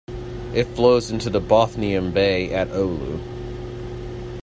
It flows into the Bothnian Bay at Oulu.